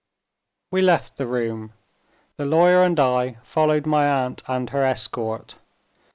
We left the room. The lawyer and I followed my aunt and her escort.